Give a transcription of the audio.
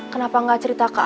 rame perang ini gak headh nee